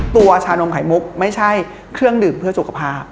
ชานมไข่มุกไม่ใช่เครื่องดื่มเพื่อสุขภาพ